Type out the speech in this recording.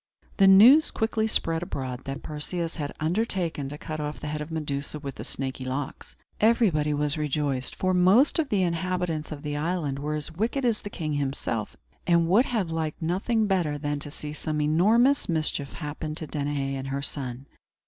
The news quickly spread abroad that Perseus had undertaken to cut off the head of Medusa with the snaky locks. Everybody was rejoiced; for most of the inhabitants of the island were as wicked as the king himself, and would have liked nothing better than to see some enormous mischief happen to Danaë and her son.